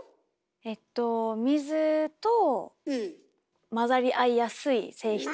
えっと水と混ざり合いやすい性質？